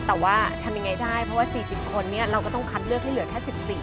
แต่ว่าทำยังไงได้เพราะว่า๔๐คนนี้เราก็ต้องคัดเลือกให้เหลือแค่๑๔